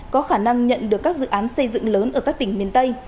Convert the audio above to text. có khả năng nhận được các dự án xây dựng lớn ở các tỉnh miền tây